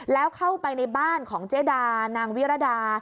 แล้วเข้าไปในบ้านของเจดานางวิรดา